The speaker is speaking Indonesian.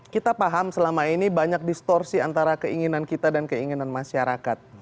kita paham selama ini banyak distorsi antara keinginan kita dan keinginan masyarakat